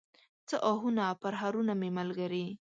څه آهونه، پرهرونه مې ملګري